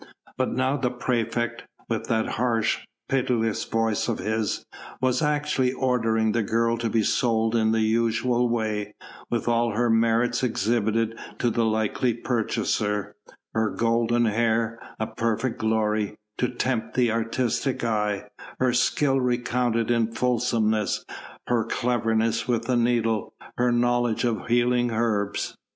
But now the praefect, with that harsh, pitiless voice of his, was actually ordering the girl to be sold in the usual way, with all her merits exhibited to the likely purchaser: her golden hair a perfect glory to tempt the artistic eye, her skill recounted in fulsomeness, her cleverness with the needle, her knowledge of healing herbs.